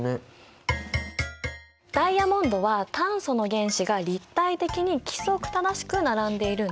ダイヤモンドは炭素の原子が立体的に規則正しく並んでいるんだ。